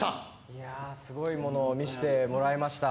いや、すごいものを見せてもらいました。